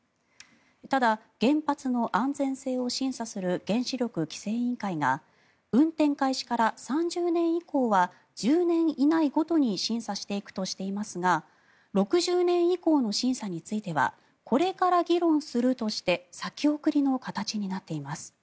ただ、原発の安全性を審査する原子力規制委員会が運転開始から３０年以降は１０年以内ごとに審査していくとしていますが６０年以降の審査についてはこれから議論するとして先送りの形になっています。